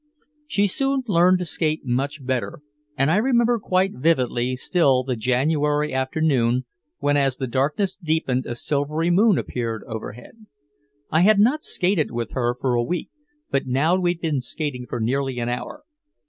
She soon learned to skate much better, and I remember quite vividly still the January afternoon when as the darkness deepened a silvery moon appeared overhead. I had not skated with her for a week, but now we'd been skating for nearly an hour.